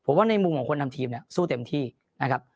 ผมว่าในมุมของคนนำทีมเนี่ยสู้เต็มที่นะครับ